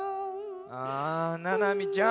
あななみちゃん